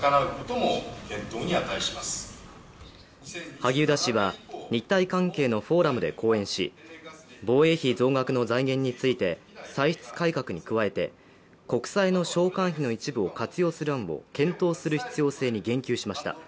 萩生田氏は日台関係のフォーラムで講演し防衛費増額の財源について歳出改革に加えて国債の償還費の一部を活用する案を検討する必要性に言及しました。